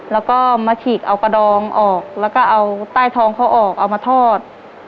แล้วก็มาฉีกเอากระดองออกแล้วก็เอาใต้ท้องเขาออกเอามาทอด